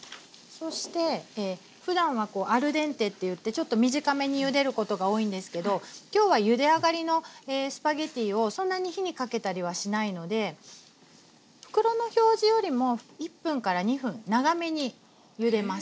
そしてふだんはアルデンテっていってちょっと短めにゆでることが多いんですけど今日はゆであがりのスパゲッティをそんなに火にかけたりはしないので袋の表示よりも１分から２分長めにゆでます。